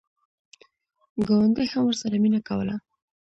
ګاونډي هم ورسره مینه کوله.